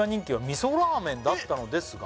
「味噌ラーメンだったのですが」